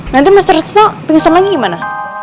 nanti master snow pengen selagi gimana